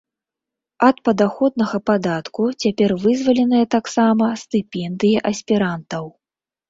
Ад падаходнага падатку цяпер вызваленыя таксама стыпендыі аспірантаў.